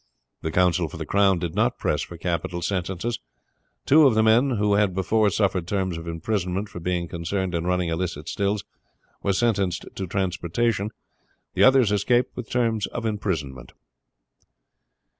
The counsel for the crown did not press for capital sentences. Two of the men, who had before suffered terms of imprisonment for being concerned in running illicit stills, were sentenced to transportation. The others escaped with terms of imprisonment.